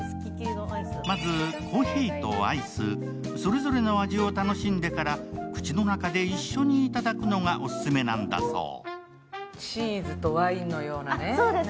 まず、コーヒーとアイスそれぞれの味を楽しんでから口の中で一緒に頂くのがオススメなんだそう。